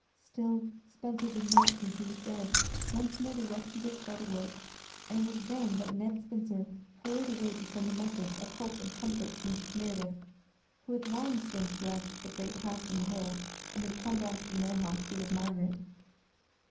Still, Spencer did not think he was dead. Once more the rescuers fell to work, and it was then that Ned Spencer hurried away to send a message of hope and comfort to Mrs. Merideth, who had long since left the great house on the hill and had come down to the Mill House to be with Margaret.